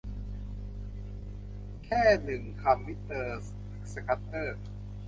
แค่หนึ่งคำ มิสเตอร์สคัดเดอร์